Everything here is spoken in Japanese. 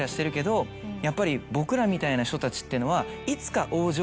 「やっぱり僕らみたいな人たちっていうのは」。